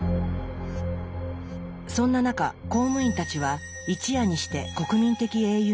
そんな中公務員たちは一夜にして国民的英雄になりました。